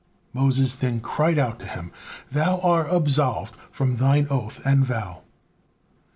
Moses then cried out to Him: "Thou are absolved from Thine oath and vow."